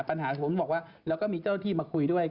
ผมบอกว่าเราก็มีเจ้าที่มาคุยด้วย